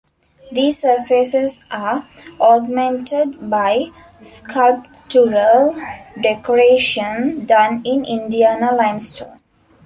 These surfaces are augmented by sculptural decoration done in Indiana limestone.